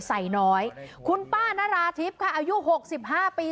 ใส่น้อยคุณป้านราธิบค่ะอายุหกสิบห้าปี